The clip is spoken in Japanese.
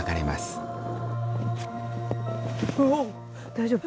大丈夫？